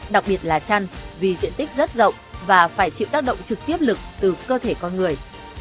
đặc biệt là chăn vì diện tích rất rộng và phải chịu tác động trực tiếp lực từ cơ thể con người